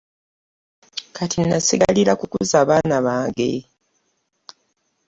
Kati nasigalira kukuza baana bange.